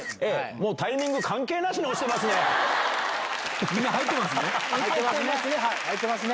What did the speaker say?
もうタイミング関係なしに押みんな入ってますね？